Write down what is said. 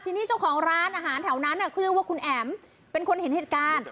ทีนี้เจ้าของร้านอาหารแถวนั้นเขาเรียกว่าคุณแอ๋มเป็นคนเห็นเหตุการณ์